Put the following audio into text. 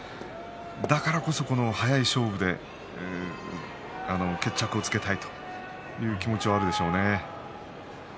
だからこそ速い勝負で決着をつけたいという気持ちがあるでしょうね。